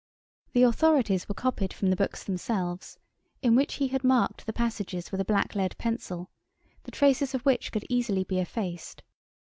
The authorities were copied from the books themselves, in which he had marked the passages with a black lead pencil, the traces of which could easily be effaced.